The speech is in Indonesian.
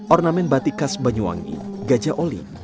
ornamen batik khas banyuwangi gajah oli